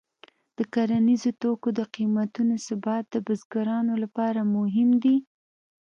د کرنیزو توکو د قیمتونو ثبات د بزګرانو لپاره مهم دی.